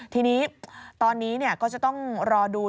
ทีนี้ตอนนี้ก็จะต้องรอดู